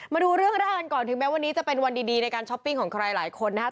มาดูเรื่องแรกกันก่อนถึงแม้วันนี้จะเป็นวันดีในการช้อปปิ้งของใครหลายคนนะครับ